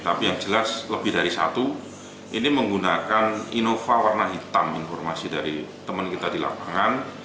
tapi yang jelas lebih dari satu ini menggunakan inova warna hitam informasi dari teman kita di lapangan